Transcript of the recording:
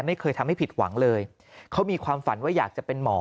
ไม่เคยทำให้ผิดหวังเลยเขามีความฝันว่าอยากจะเป็นหมอ